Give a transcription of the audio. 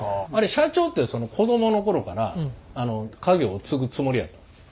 社長って子供の頃から家業を継ぐつもりやったんですか？